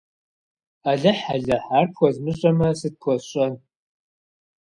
Алыхь-алыхь, ар пхуэзмыщӀэмэ, сыт пхуэсщӀэн!